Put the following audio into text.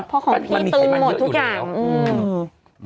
พอของพี่เติมหมดทุกอย่าง